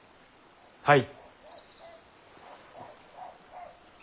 はい。